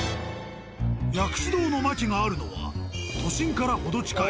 薬師堂のマキがあるのは都心からほど近い。